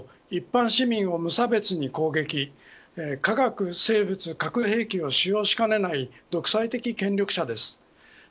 一般市民を無差別に攻撃化学生物、核兵器を使用しかねない独裁的権力者です。